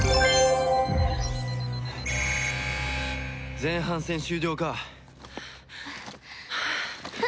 前半戦終了か。はあ。